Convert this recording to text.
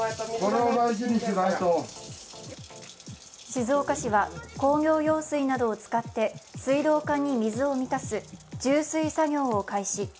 静岡市は工業用水などを使って水道管に水を満たす充水作業を開始。